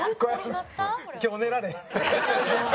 今日寝られへん。